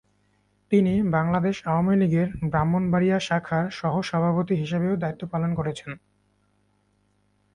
তিনি বাংলাদেশ আওয়ামী লীগের ব্রাহ্মণবাড়িয়া শাখার সহসভাপতি হিসেবেও দায়িত্ব পালন করেছেন।